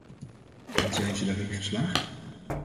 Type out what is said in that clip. En zijn ze daarin geslaagd?